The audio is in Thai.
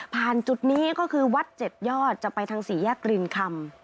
ผ่านจุดนี้ก็คือวัดเจ็ดยอดจะไปทางศรียะกรีนคำ